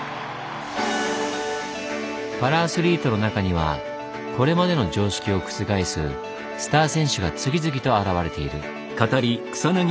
パラアスリートの中にはこれまでの常識を覆すスター選手が次々と現れている。